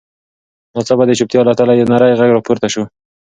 ناڅاپه د چوپتیا له تله یو نرۍ غږ راپورته شو.